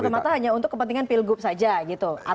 jadi semata mata hanya untuk kepentingan pilgub saja gitu